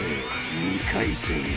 ［２回戦へ］